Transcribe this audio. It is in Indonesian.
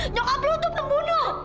nyokap lu tuh kebunuh